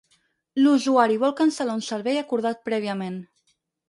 L'usuari vol cancel·lar un servei acordat prèviament.